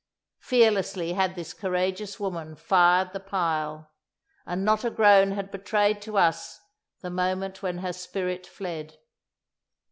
Fearlessly had this courageous woman fired the pile, and not a groan had betrayed to us the moment when her spirit fled.